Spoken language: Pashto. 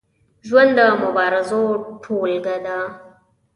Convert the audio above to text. ژوند د مبارزو ټولګه ده.